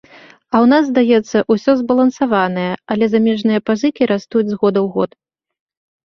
А ў нас, здаецца, усё збалансаванае, але замежныя пазыкі растуць з года ў год.